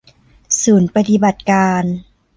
ศูนย์ปฎิบัติการ